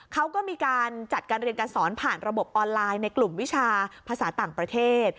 เขาก็มีการจัดการเรียนการสอนผ่านระบบออนไลน์ในกลุ่มวิชาภาษาต่างประเทศ